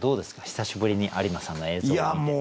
久しぶりに有馬さんの映像を見て。